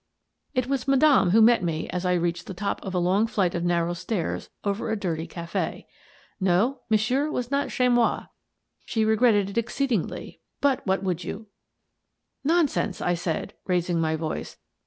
It was Madame who met me as I reached the top of a long flight of narrow stairs over a dirty cafe. No, Monsieur was not chez moi. She regretted it exceedingly, but what would you? "Nonsense," I said, raising my voice.